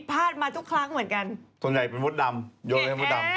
มันมาเสร็จตรงไหนหนู่ะ